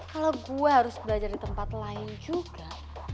kalau gue harus belajar di tempat lain juga